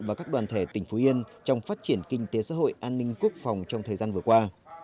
và các đoàn thể tỉnh phú yên trong phát triển kinh tế xã hội an ninh quốc phòng trong thời gian vừa qua